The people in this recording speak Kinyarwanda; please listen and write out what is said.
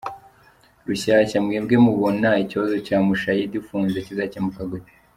Rushyashya :Mwebwe mubona ikibazo cya Mushayidi ufunze kizakemuka gute ?